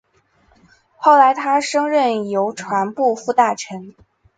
后来他升任邮传部副大臣。